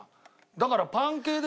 だから。